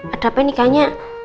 ada apa nih kayaknya